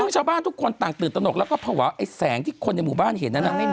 ชาวบ้านทุกคนต่างตื่นตนกแล้วก็ภาวะไอ้แสงที่คนในหมู่บ้านเห็นนั้น